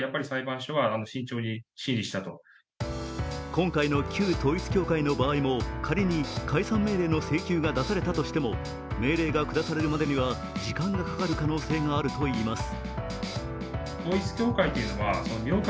今回の旧統一教会の場合も仮に、解散命令の請求が出されたとしても、命令が下されるまでには時間がかかる可能性があるといいます。